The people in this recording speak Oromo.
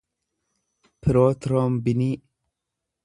pirootiroombinii